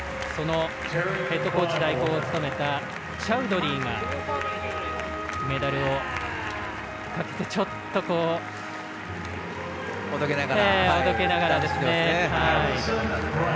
ヘッドコーチ代行を務めたチャウドリーがメダルをちょっとおどけながら。